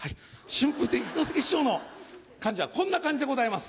春風亭一之輔師匠の感じはこんな感じでございます。